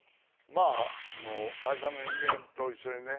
まあもう会社の人間と一緒にね